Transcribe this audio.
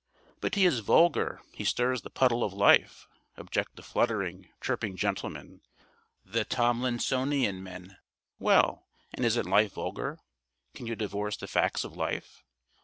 "But he is vulgar, he stirs the puddle of life," object the fluttering, chirping gentlemen, the Tomlinsonian men. Well, and isn't life vulgar? Can you divorce the facts of life?